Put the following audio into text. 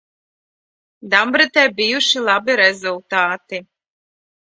Dambretē bijuši labi rezultāti.